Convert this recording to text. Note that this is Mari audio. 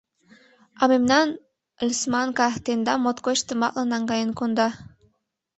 — А мемнан Лысманка тендам моткоч тыматлын наҥгаен конда.